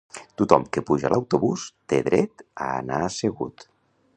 Tothom que puja a l'autobus té dret a anar assegut